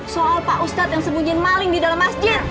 soal pak ustadz yang sembunyiin maling di dalam masjid